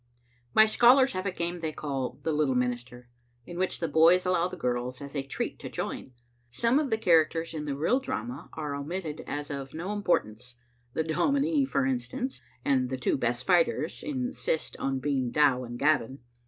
My scholars have a game they call " The Little Min ister," in which the boys allow the girls as a treat to join. Some of the characters in the real drama are omitted as of no importance — the dominie, for instance — and the two best fighters insist on being Dow and Gavin.